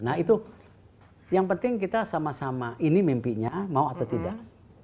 nah itu yang penting kita sama sama ini mimpinya mau atau tidak